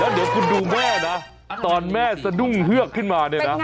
เดี๋ยวคุณดูแม่นะตอนแม่สะดุ้งเฮือกขึ้นมาเนี่ยนะ